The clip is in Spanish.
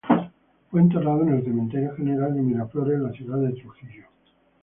Fue enterrado en el Cementerio General de Miraflores de la ciudad de Trujillo.